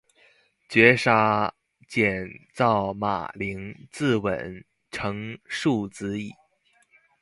绝杀，减灶马陵自刎，成竖子矣